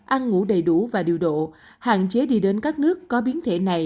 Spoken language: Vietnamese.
ăn ngủ đầy đủ và điều độ hạn chế đi đến các nước có biến thể này